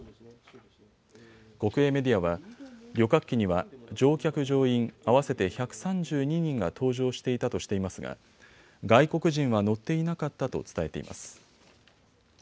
国営メディアは旅客機には乗客乗員合わせて１３２人が搭乗していたとしていますが外国人は乗っていなかったと伝えています。